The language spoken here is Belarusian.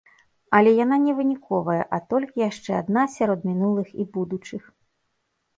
Але яна не выніковая, а толькі яшчэ адна сярод мінулых і будучых.